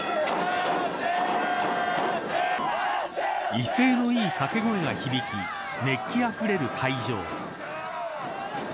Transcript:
威勢のいい掛け声が響き熱気あふれる会場。